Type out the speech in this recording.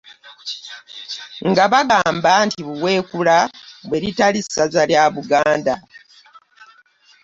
Nga bagamba nga Buweekula bwe litali ssaza lya Buganda